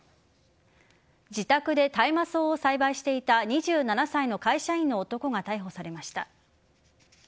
自宅で大麻草を栽培していた２７歳の会社員の男が逮捕されました。